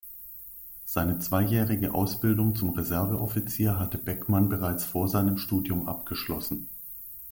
Seine zweijährige Ausbildung zum Reserveoffizier hatte Beckmann bereits vor seinem Studium abgeschlossen.